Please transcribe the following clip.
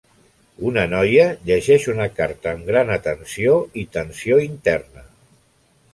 Una noia llegeix una carta amb gran atenció i tensió interna.